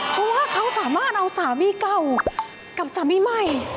เพราะว่าเขาสามารถเอาสามีเก่ากับสามีใหม่